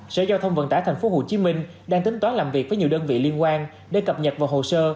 sở giao thông vận tải tp hcm đang tính toán làm việc với nhiều đơn vị liên quan để cập nhật vào hồ sơ